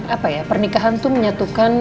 apa ya pernikahan itu menyatukan